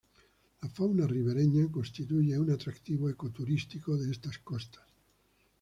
La fauna ribereña constituye un atractivo ecoturístico de estas costas.